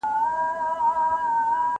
دولت د خصوصي سکتور مالک نه دی.